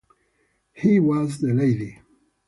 He was the lady.